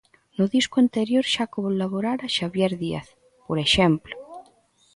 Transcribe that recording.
No disco anterior xa colaborara Xabier Díaz, por exemplo.